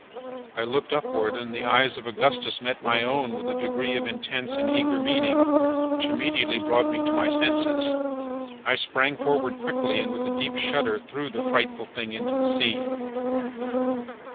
I looked upward, and the eyes of Augustus met my own with a degree of intense and eager meaning which immediately brought me to my senses. I sprang forward quickly, and, with a deep shudder, threw the frightful thing into the sea.